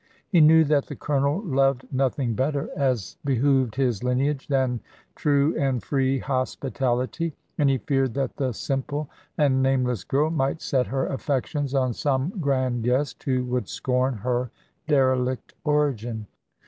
He knew that the Colonel loved nothing better (as behoved his lineage) than true and free hospitality; and he feared that the simple and nameless girl might set her affections on some grand guest, who would scorn her derelict origin.